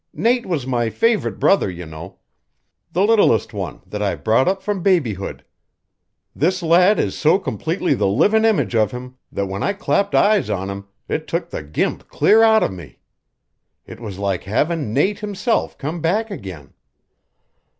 Nate was my favorite brother, you know the littlest one, that I brought up from babyhood. This lad is so completely the livin' image of him that when I clapped eyes on him it took the gimp clear out of me. It was like havin' Nate himself come back again."